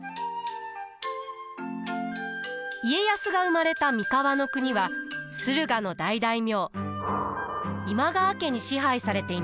家康が生まれた三河国は駿河の大大名今川家に支配されていました。